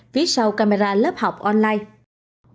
phía sau camera lớp học online